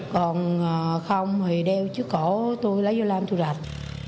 còn không thì đeo trước cổ tôi lấy vô làm tôi rạch